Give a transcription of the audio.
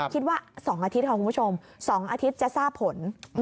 คิดว่า๒อาทิตย์ค่ะคุณผู้ชม๒อาทิตย์จะทราบผล